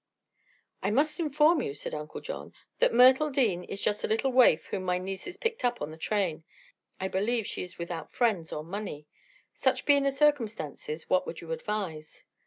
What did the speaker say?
"I must inform you," said Uncle John, "that Myrtle Dean is just a little waif whom my nieces picked up on the train. I believe she is without friends or money. Such being the circumstances, what would you advise?"